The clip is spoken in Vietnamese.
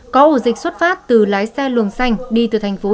có ổ dịch xuất phát từ lái xe luồng xanh đi từ thành xuân